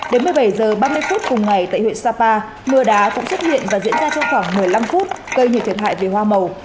đến một mươi bảy h ba mươi phút cùng ngày tại huyện sapa mưa đá cũng xuất hiện và diễn ra trong khoảng một mươi năm phút gây nhiều thiệt hại về hoa màu